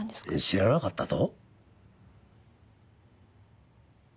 知らなかったと？